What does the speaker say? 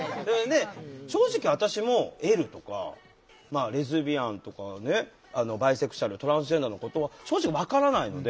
正直私も「Ｌ」とか「レズビアン」とか「バイセクシュアル」「トランスジェンダー」のことは正直分からないので。